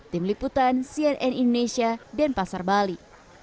tim liputan cnn indonesia dan pasar bali